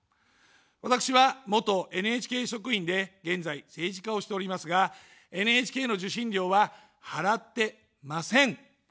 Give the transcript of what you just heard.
私は元ＮＨＫ職員で、現在、政治家をしておりますが、ＮＨＫの受信料は払ってません。